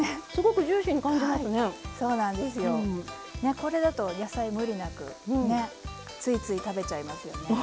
これだと野菜無理なくねついつい食べちゃいますよね。